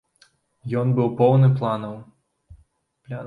Ён быў поўны планаў.